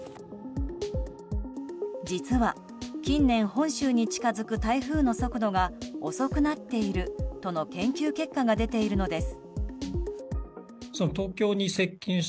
実は近年本州に近づく台風の速度が遅くなっているとの研究結果が出ているのです。